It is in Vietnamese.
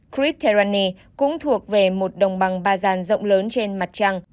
krip terani cũng thuộc về một đồng bằng ba dàn rộng lớn trên mặt trăng